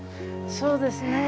そうですね。